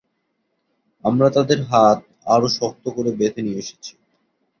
আমরা তাদের হাত আরো শক্ত করে বেঁধে নিয়ে এসেছি।